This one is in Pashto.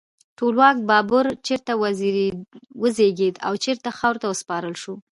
ټولواک بابر چیرته وزیږید او چیرته خاورو ته وسپارل شو؟